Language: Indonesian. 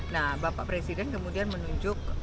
nah bapak presiden kemudian menunjuk